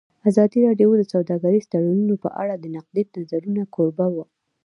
ازادي راډیو د سوداګریز تړونونه په اړه د نقدي نظرونو کوربه وه.